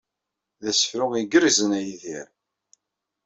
D asefru igerrzen a Yidir.